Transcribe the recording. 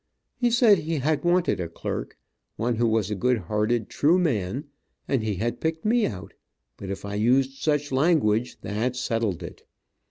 He said he had wanted a clerk, one who was a good hearted, true man, and he had picked me out, but if I used such language, that settled it.